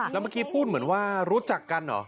แล้วเมื่อกี้พูดเหมือนว่ารู้จักกันเหรอ